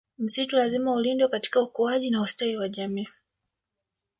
Msitu lazima ulindwe katika ukuaji na ustawi wa jamii